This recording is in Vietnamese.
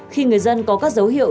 khi người dân có các dấu hiệu